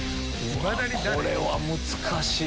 これは難しい。